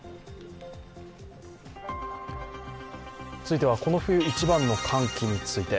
続いては、この冬一番の寒気について。